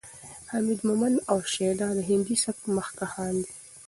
حمید مومند او شیدا د هندي سبک مخکښان دي.